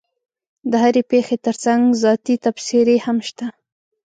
د هرې پېښې ترڅنګ ذاتي تبصرې هم شته.